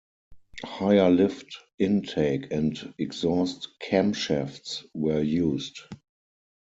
Higher lift intake and exhaust camshafts were used.